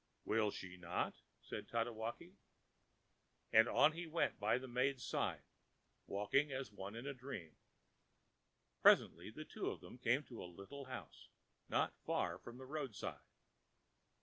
ã ãWill she not?ã said Tatewaki. And on he went by the maidenãs side, walking as one in a dream. Presently the two of them came to a little house, not far from the roadside.